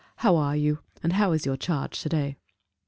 "How are you? and how is your charge to day?"